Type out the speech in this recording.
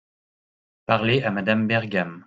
Parler à Madame Bergam.